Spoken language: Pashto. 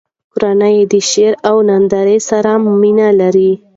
کورنۍ یې د شعر او نندارو سره مینه لرله.